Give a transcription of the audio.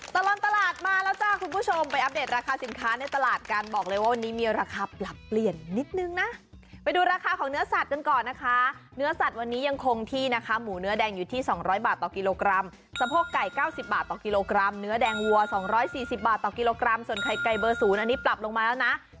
ตลอดตลาดมาแล้วจ้าคุณผู้ชมไปอัปเดตราคาสินค้าในตลาดกันบอกเลยว่าวันนี้มีราคาปรับเปลี่ยนนิดนึงนะไปดูราคาของเนื้อสัตว์กันก่อนนะคะเนื้อสัตว์วันนี้ยังคงที่นะคะหมูเนื้อแดงอยู่ที่สองร้อยบาทต่อกิโลกรัมสะโพกไก่เก้าสิบบาทต่อกิโลกรัมเนื้อแดงวัวสองร้อยสี่สิบบาทต่อกิโลกรัมส่ว